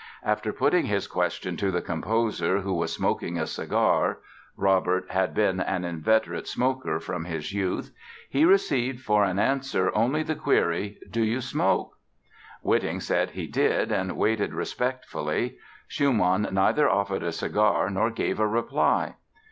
After putting his question to the composer who was smoking a cigar (Robert had been an inveterate smoker from his youth) he received for all answer only the query: "Do you smoke?" Witting said he did and waited respectfully. Schumann neither offered a cigar nor gave a reply.